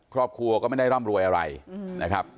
ครอบครัวก็ไม่ได้ร่ำรวยอะไรนะครับ